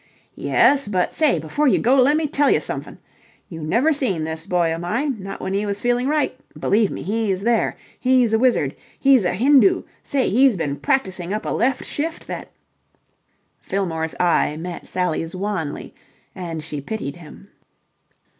"Yes, but, say, before you go lemme tell ya somef'n. You've never seen this boy of mine, not when he was feeling right. Believe me, he's there! He's a wizard. He's a Hindoo! Say, he's been practising up a left shift that..." Fillmore's eye met Sally's wanly, and she pitied him.